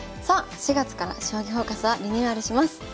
さあ４月から「将棋フォーカス」はリニューアルします。